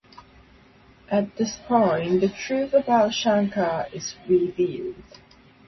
At this point the truth about Shankar is revealed.